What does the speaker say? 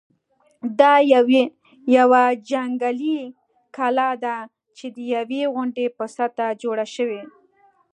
دا یوه جنګي کلا ده چې د یوې غونډۍ په سطحه جوړه شوې.